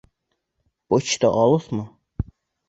Почта алыҫмы?